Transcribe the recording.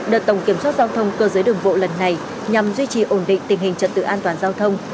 đợt tổng kiểm soát giao thông cơ giới đường bộ lần này nhằm duy trì ổn định tình hình trật tự an toàn giao thông